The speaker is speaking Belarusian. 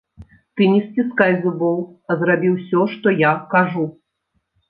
Ты не сціскай зубоў, а зрабі ўсё, што я кажу.